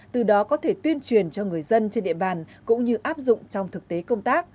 từ đó có thể tuyên truyền cho người dân trên địa bàn cũng như áp dụng trong thực tế công tác